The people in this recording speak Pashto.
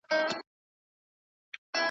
که ګدا دی که سلطان دی له انجامه نه خلاصیږي .